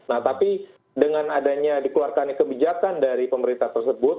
nah tapi dengan adanya dikeluarkan kebijakan dari pemerintah tersebut